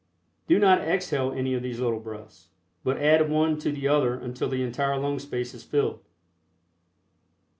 Do not exhale any of these little breaths, but add one to the other until the entire lung space Is filled.